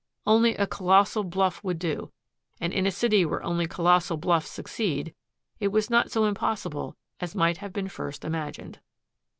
Only a colossal bluff would do, and in a city where only colossal bluffs succeed it was not so impossible as might have been first imagined.